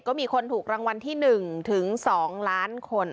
ก็มีคนถูกรางวัลที่๑ถึง๒ล้านคน